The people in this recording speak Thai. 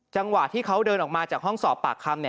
จังหวะที่เขาเดินออกมาจากห้องสอบปากคำ